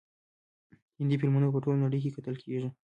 هندي فلمونه په ټوله نړۍ کې کتل کیږي.